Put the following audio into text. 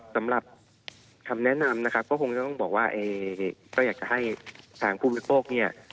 สำหรับมาแนะนำก็อยากให้ทางผู้มีปก